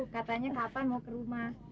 katanya kapan mau ke rumah